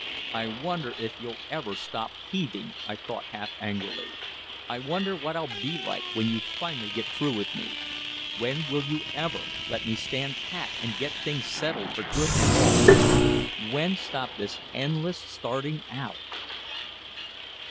"I wonder if you'll ever stop heaving," I thought half angrily. "I wonder what I'll be like when you finally get through with me. When will you ever let me stand pat and get things settled for good and all? When stop this endless starting out?"